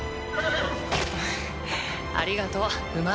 ありがとう馬！